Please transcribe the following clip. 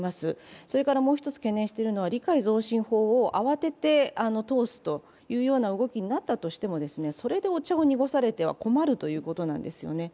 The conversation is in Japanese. それからもう一つ懸念しているのは理解増進法を慌てて通すという動きになったとしてもそれでお茶を濁されては困るということなんですよね。